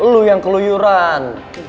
lo yang keluyuran